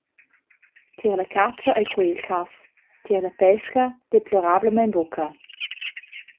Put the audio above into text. Tier la catscha ei quei il cass, tier la pesca deplorablamein buca.